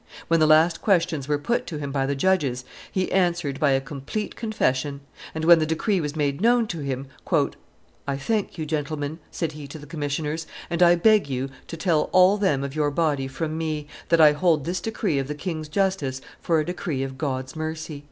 When the last questions were put to him by the judges, he answered by a complete confession; and when the decree was made known to him, "I thank you, gentlemen," said he to the commissioners, "and I beg you to tell all them of your body from me, that I hold this decree of the king's justice for a decree of God's mercy."